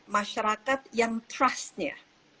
masyarakat yang trustnya